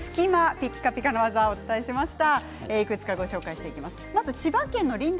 ピカピカの技をお伝えしました。